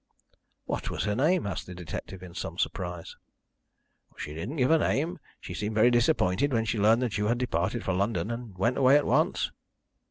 "What was her name?" asked the detective, in some surprise. "She didn't give her name. She seemed very disappointed when she learnt that you had departed for London, and went away at once."